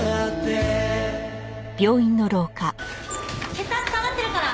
血圧下がってるから。